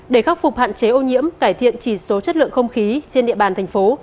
để khắc phục hạn chế ô nhiễm cải thiện chỉ số chất lượng không khí trên địa bàn thành phố